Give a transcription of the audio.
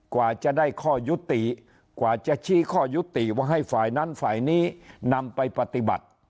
กว่าจะได้ข้อยุติกว่าจะชี้ข้อยุติว่าให้ฝ่ายนั้นฝ่ายนี้นำไปปฏิบัติ